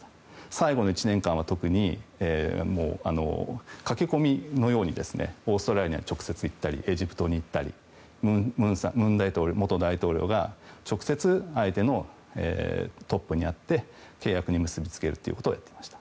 最後の１年間は特に駆け込みのようにオーストラリアに直接行ったりエジプトに行ったり文元大統領が直接相手のトップに会って契約に結び付けるということをやっていました。